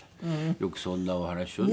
よくそんなお話をね。